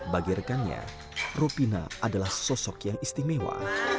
bagi rekannya rupina adalah sosok yang istimewa